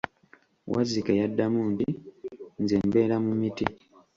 Wazzike yadamu nti, nze mbeera mu miti.